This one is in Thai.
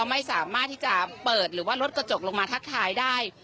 ไม่สามารถที่จะเปิดหรือว่ารถกระจกลงมาทักทายได้